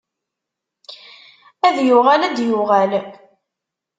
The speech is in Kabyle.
Ad yuɣal ad d-yuɣal.